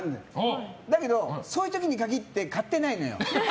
だけどそういうときに限って買ってないのよ。